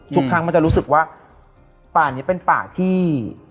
ทุกครั้งมันจะรู้สึกว่าป่านี้เป็นป่าที่